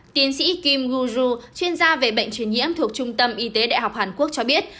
tiến sĩ kim uso chuyên gia về bệnh truyền nhiễm thuộc trung tâm y tế đại học hàn quốc cho biết